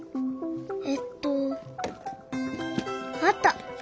えっとあった！